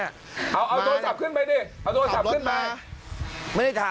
เอาโทรศัพท์ขึ้นไปเอาโทรศัพท์ขึ้นมาตำรวจไกล